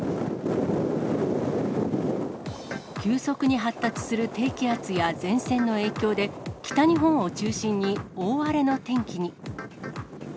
急速に発達する低気圧や前線の影響で、北日本を中心に大荒れの天気に。